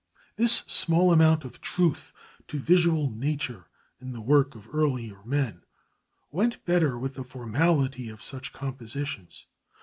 The small amount of truth to visual nature in the work of earlier men went better with the formality of such compositions.